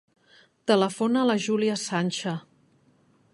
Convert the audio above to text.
Telefona a la Júlia Sancha.